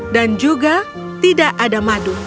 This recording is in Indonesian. dan juga tidak ada madu